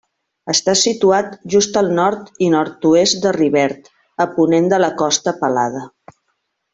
Està situat just al nord i nord-oest de Rivert, a ponent de la Costa Pelada.